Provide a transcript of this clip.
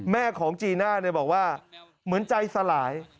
แม่ของจีน่าบอกว่าเหมือนใจสลาย